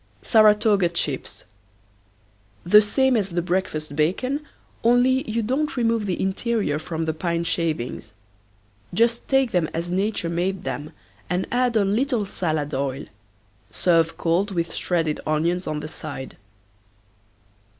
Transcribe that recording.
SARATOGA CHIPS. The same as the breakfast bacon only you don't remove the interior from the pine shavings. Just take them as Nature made them and add a little salad oil. Serve cold with shredded onions on the side.